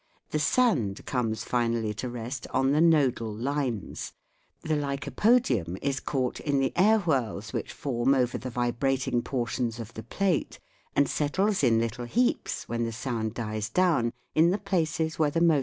The sand conies finally to rest on the iKtilal lines : the lycopodium is caught in the air whirls which form over the vibrating portions of the plate and settles in little hc:ips, when the sound dies down, in the places where the motion has l>een greatest.